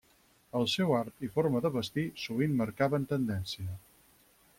El seu art i forma de vestir sovint marcaven tendència.